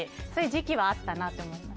そういう時期はあったなと。